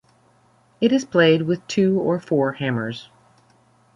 It is played with two or four hammers.